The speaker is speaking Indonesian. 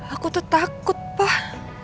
aku tuh takut pak